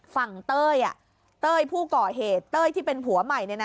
ฝั่งเต้ยอ่ะเต้ยผู้ก่อเหตุเต้ยที่เป็นผัวใหม่เนี่ยนะ